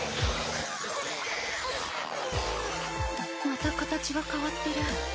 また形が変わってる。